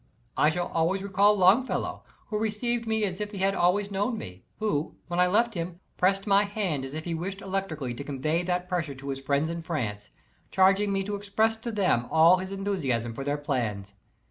I shall always recall Longfellow, who received me as if he had always known me, who, when I left him, pressed my hand as if he wished electrically to convey that pressure to his friends in France, charging me to express to them all his enthusiasm for their plans.